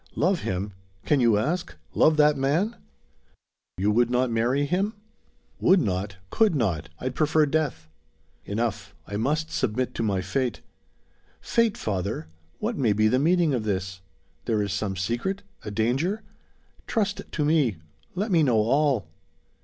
"Love him! Can you ask? Love that man!" "You would not marry him?" "Would not could not. I'd prefer death." "Enough; I must submit to my fate." "Fate, father! What may be the meaning of this? There is some secret a danger? Trust to me. Let me know all."